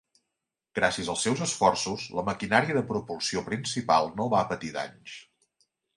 Gràcies als seus esforços, la maquinària de propulsió principal no va patir danys.